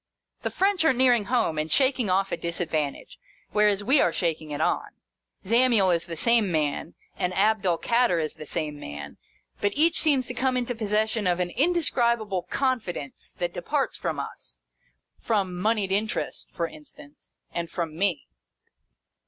The French are nearing home, and shaking off a disadvantage, whereas we are shaking it on. Zamiel is the same man, and Abd el Kader is the same man, but each seems to come into possession of an in describable confidence that departs from us — from Mouied Interest, for instance, and from me.